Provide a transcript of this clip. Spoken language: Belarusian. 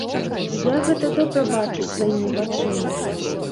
Я гэта добра бачу сваімі вачыма.